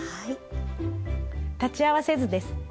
裁ち合わせ図です。